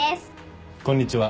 こんにちは。